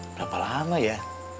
berapa lama ya